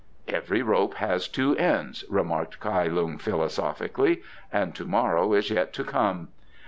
"Every rope has two ends," remarked Kai Lung philosophically, "and to morrow is yet to come.